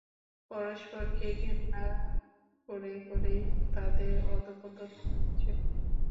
পরস্পরকে ঘেন্না করে করেই তোদের অধঃপতন হয়েছে।